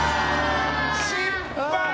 失敗！